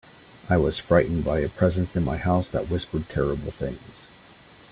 I was frightened by a presence in my house that whispered terrible things.